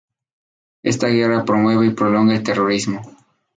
Esta guerra promueve y prolonga el terrorismo.